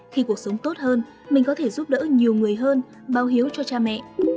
khi cuộc sống tốt hơn mình có thể giúp đỡ nhiều người hơn bao hiếu cho cha mẹ